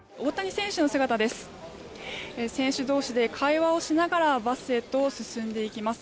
選手同士で会話をしながらバスへと進んでいきます。